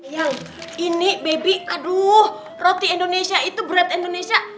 yang ini baby aduh roti indonesia itu berat indonesia